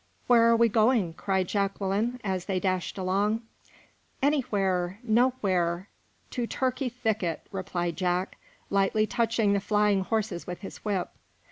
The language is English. "Where are we going?" cried Jacqueline, as they dashed along. "Anywhere nowhere to Turkey Thicket!" replied Jack, lightly touching the flying horses with his whip.